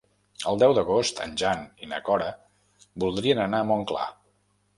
El deu d'agost en Jan i na Cora voldrien anar a Montclar.